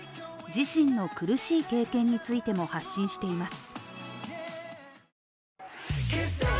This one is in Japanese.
自身の苦しい経験についても発信しています。